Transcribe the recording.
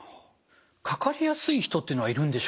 かかりやすい人っていうのはいるんでしょうか？